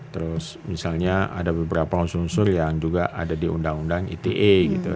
terus misalnya ada beberapa unsur unsur yang juga ada di undang undang ite gitu